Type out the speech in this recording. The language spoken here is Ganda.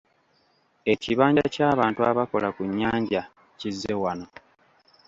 Ekibanja ky'abantu abakola ku nnyanja kizze wano.